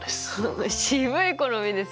渋い好みですね。